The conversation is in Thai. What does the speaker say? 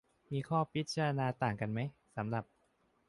มีข้อพิจารณาต่างกันไหม สำหรับ